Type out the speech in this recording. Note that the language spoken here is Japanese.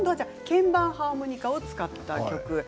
鍵盤ハーモニカを使った曲です。